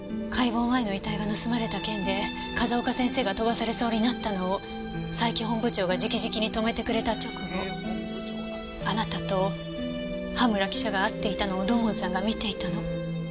解剖前の遺体が盗まれた件で風丘先生が飛ばされそうになったのを佐伯本部長が直々に止めてくれた直後あなたと羽村記者が会っていたのを土門さんが見ていたの。